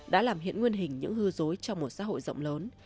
đã làm hiện nguyên hình những hư dối trong một xã hội rộng lớn